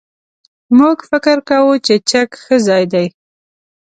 موږ فکر کوو چې چک ښه ځای دی.